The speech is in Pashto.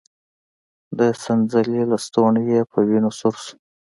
د څنځلې لستوڼی يې په وينو سور شو.